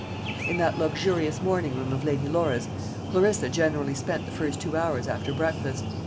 In that luxurious morning room of Lady Laura's Clarissa generally spent the first two hours after breakfast.